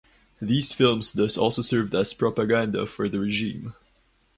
These films thus also served as propaganda for the regime.